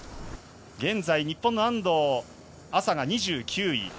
現在、日本の安藤麻が２９位。